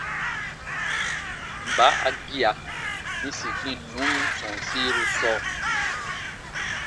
Mba a gia yĩsi gbinnun sɔ̃ɔsiru sɔɔ?